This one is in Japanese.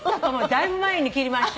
だいぶ前に切りました。